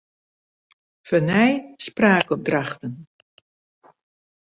Fernij spraakopdrachten.